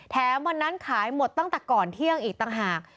วันนั้นขายหมดตั้งแต่ก่อนเที่ยงอีกต่างหาก